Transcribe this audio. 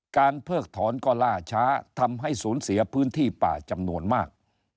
เพิกถอนก็ล่าช้าทำให้ศูนย์เสียพื้นที่ป่าจำนวนมาก